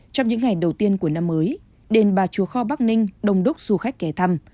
trong những ngày đầu tiên của năm mới đền bà chùa kho bắc ninh đồng đốc du khách kẻ thăm